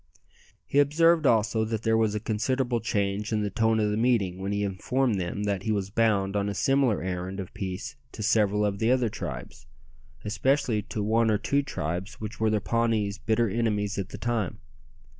He observed also that there was a considerable change in the tone of the meeting when he informed them that he was bound on a similar errand of peace to several of the other tribes, especially to one or two tribes which were the Pawnees' bitter enemies at that time.